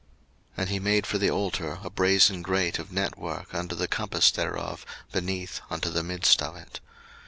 02:038:004 And he made for the altar a brasen grate of network under the compass thereof beneath unto the midst of it.